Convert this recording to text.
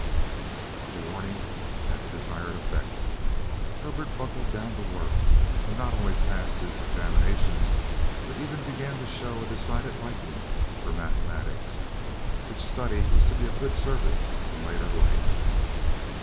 The warning had the desired effect. Herbert buckled down to work and not only passed his examinations, but even began to show a decided liking for mathematics which study was to be of good service in later life.